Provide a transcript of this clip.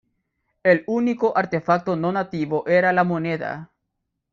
El único artefacto no nativo era la moneda.